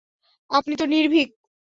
আপনি তো নির্ভীক।